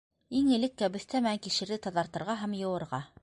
Иң элек кәбеҫтә менән кишерҙе таҙартырға һәм йыуырға.